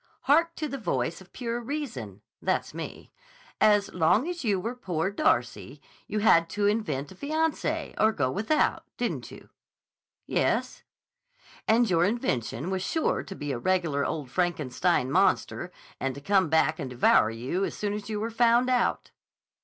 Hark to the voice of Pure Reason (that's me). As long as you were 'Poor Darcy,' you had to invent a fiancé or go without, didn't you?" "Yes." "And your invention was sure to be a regular old Frankenstein monster, and to come back and devour you as soon as you were found out."